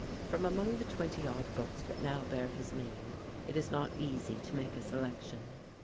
From among the twenty odd books that now bear his name, it is not easy to make a selection.